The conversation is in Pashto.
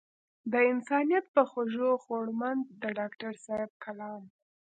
د انسانيت پۀ خوږو خوږمند د ډاکټر صېب کلام